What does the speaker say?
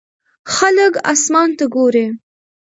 خلک اسمان ته ګوري.